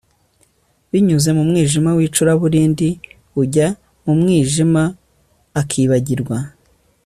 Binyuze mu mwijima wicuraburindi ujya mu mwijima akibagirwa